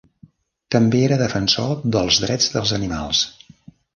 També era defensor dels drets dels animals.